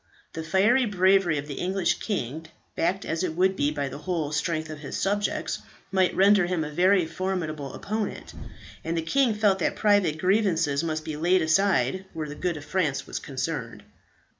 The fiery bravery of the English king, backed as it would be by the whole strength of his subjects, might render him a very formidable opponent; and the king felt that private grievances must be laid aside where the good of France was concerned.